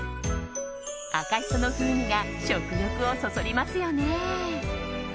赤しその風味が食欲をそそりますよね。